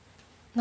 何？